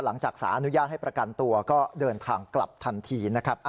หลังจากสารอนุญาตให้ประกันตัวก็เดินทางกลับทันทีนะครับ